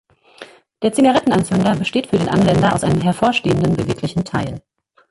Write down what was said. Der Zigarettenanzünder besteht für den Anwender aus einem hervorstehenden, beweglichen Teil.